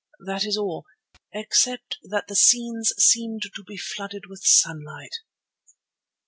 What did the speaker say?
That is all, except that the scenes seemed to be flooded with sunlight."